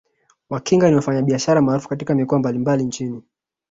Wakinga ni wafanyabiashara maarufu katika mikoa mbalimbali nchini